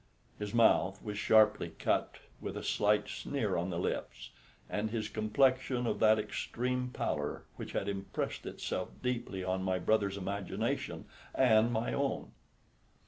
His mouth was sharply cut, with a slight sneer on the lips, and his complexion of that extreme pallor which had impressed itself deeply on my brother's imagination and my own.